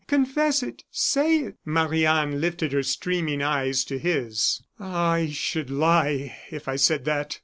Confess it! Say it!" Marie Anne lifted her streaming eyes to his. "Ah! I should lie if I said that.